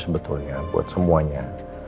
sebetulnya buat semuanya